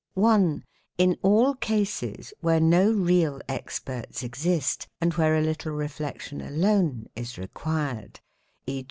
XX INTRODUCTION 1. In all cases where no real experts exist and where a little q reflection alone is required; e.